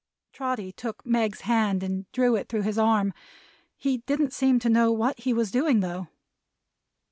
Trotty took Meg's hand and drew it through his arm. He didn't seem to know what he was doing though.